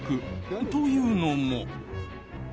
というのも。